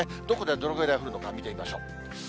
どこでどのぐらい降るのか見てみましょう。